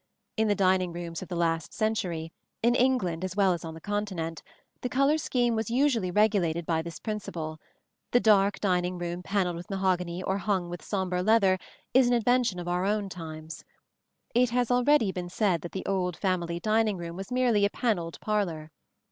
In the dining rooms of the last century, in England as well as on the Continent, the color scheme was usually regulated by this principle: the dark dining room panelled with mahogany or hung with sombre leather is an invention of our own times. It has already been said that the old family dining room was merely a panelled parlor.